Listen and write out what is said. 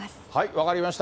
分かりました。